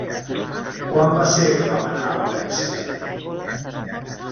Quan va ser que vam anar a València?